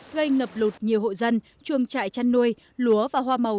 gây ngập lụt nhiều hộ dân chuồng trại chăn nuôi lúa và hoa màu